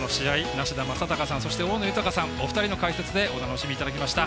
梨田昌孝さんそして大野豊さん、お二人の解説でお楽しみいただきました。